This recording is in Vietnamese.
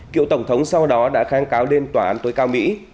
cựu tổng thống sau đó đã kháng cáo lên tòa án tối cao mỹ